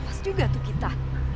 pas juga tuh gita